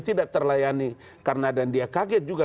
tidak terlayani karena dan dia kaget juga